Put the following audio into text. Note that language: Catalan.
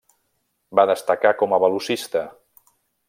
Va destacar com a velocista.